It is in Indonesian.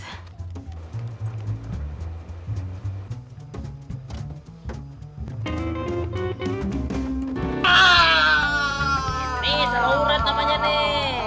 ini salah urat namanya nih